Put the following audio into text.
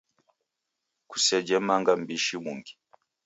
Kusejhe manga mbishi mungi.